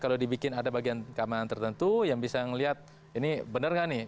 kalau dibikin ada bagian keamanan tertentu yang bisa melihat ini benar nggak nih